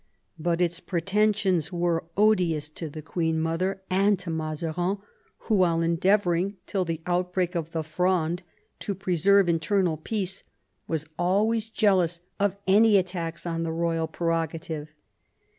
But its pretensions were odious to the queen 4 MAZARIN OHAP. mother and to Mazarin, who, while endeavouring till the outbreak of the Fronde to preserve internal peace, was always jealous of any attacks on the royal prerogative.